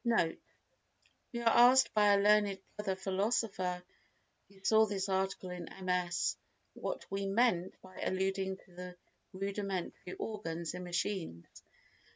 NOTE.—We were asked by a learned brother philosopher who saw this article in MS. what we meant by alluding to rudimentary organs in machines.